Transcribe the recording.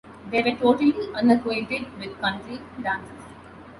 They were totally unacquainted with country dances.